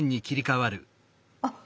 あっ！